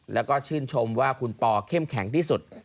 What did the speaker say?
แล้วก็ชื่นชมว่าคุณปอเข้มแข็งที่สุด